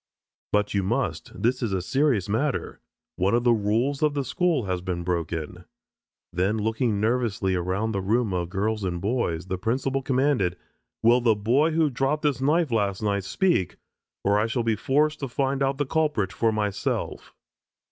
"But you must. This is a serious matter. One of the rules of the school has been broken." Then looking nervously around the room of girls and boys, the principal commanded: "Will the boy who dropped this knife last night speak, or shall I be forced to find out the culprit for myself?"